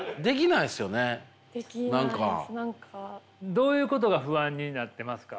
どういうことが不安になってますか？